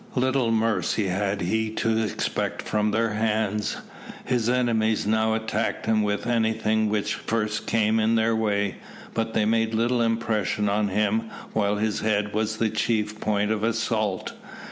Little mercy had he to expect from their hands. His enemies now attacked him with anything which first came in their way, but they made little impression on him while his head was the chief point of assault.